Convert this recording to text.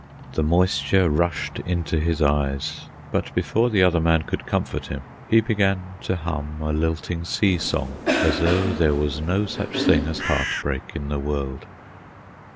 The moisture rushed into his eyes, but, before the other man could comfort him, he began to hum a lilting sea song as though there was no such thing as heartbreak in the world.